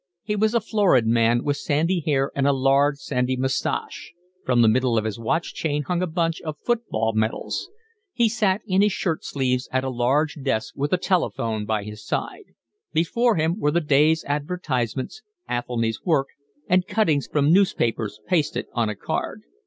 He was a florid man, with sandy hair and a large sandy moustache; from the middle of his watch chain hung a bunch of football medals. He sat in his shirt sleeves at a large desk with a telephone by his side; before him were the day's advertisements, Athelny's work, and cuttings from newspapers pasted on a card.